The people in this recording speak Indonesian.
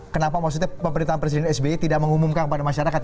kenapa maksudnya pemerintahan presiden sbi tidak mengumumkan kepada masyarakat